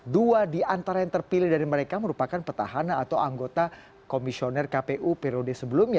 dua di antara yang terpilih dari mereka merupakan petahana atau anggota komisioner kpu periode sebelumnya